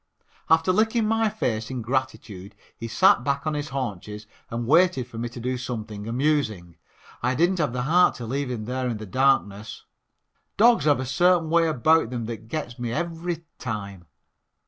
After licking my face in gratitude he sat back on his haunches and waited for me to do something amusing. I didn't have the heart to leave him there in the darkness. Dogs have a certain way about them that gets me every time.